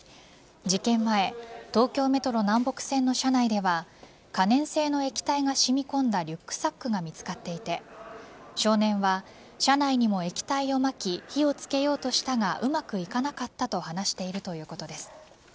事件前東京メトロ南北線の車内では可燃性の液体が染み込んだリュックサックが見つかっていて少年は車内にも液体をまき火をつけようとしたがうまくいかなかったと話しているということです。